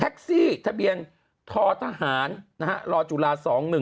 แท็กซี่ทะเบียนทอทหารรจุฬา๒๑๑๗